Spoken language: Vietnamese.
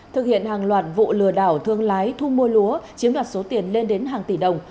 thực hiện hàng loạt vụ lừa đảo thương lái thu mua lúa chiếm đoạt số tiền lên đến hàng tỷ đồng